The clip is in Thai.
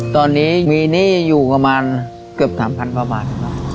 ตอนนี้มีหนี้อยู่ประมาณเกือบ๓๐๐๐บาท